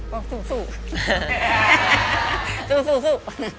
บอกสู้